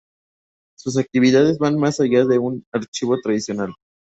Sus actividades van más allá de las de un archivo tradicional.